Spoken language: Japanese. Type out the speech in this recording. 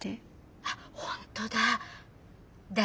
あっ本当だ。